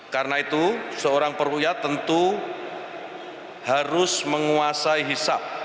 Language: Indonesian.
karena itu seorang perhitungan tentu harus menguasai hisap